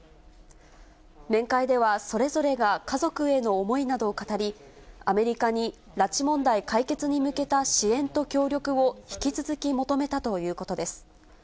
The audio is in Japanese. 面会では、それぞれが家族への思いなどを語り、アメリカに拉致問題解決に向けた支援と協力を引き続き求めたということです。